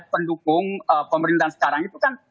pendukung pemerintahan sekarang itu kan